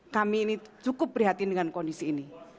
kami ini cukup prihatin dengan kondisi ini